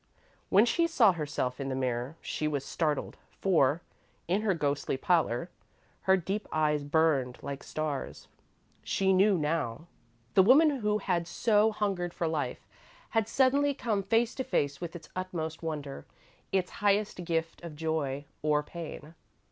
When she saw herself in the mirror, she was startled, for, in her ghostly pallor, her deep eyes burned like stars. She knew, now. The woman who had so hungered for Life had suddenly come face to face with its utmost wonder; its highest gift of joy or pain.